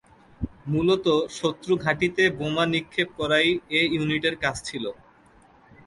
মূলতঃ শত্রু ঘাঁটিতে বোমা নিক্ষেপ করাই এ ইউনিটের কাজ ছিল।